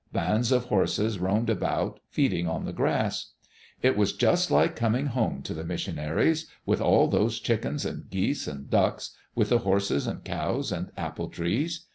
Bands of horses roamed about, feeding on the grass. It was just like coming home to the missionaries, with all these chickens and geese and ducks, with the horses and cows and apple trees.